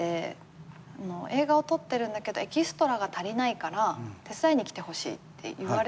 映画を撮ってるんだけどエキストラが足りないから手伝いに来てほしいっていわれて。